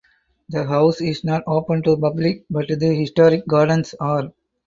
The house is not open to the public but the historic gardens are.